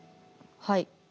はい。